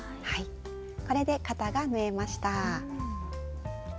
これで肩が縫えました。